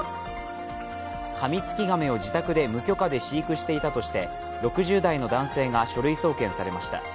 カミツキガメを自宅で無許可で飼育していたとして６０代の男性が書類送検されました。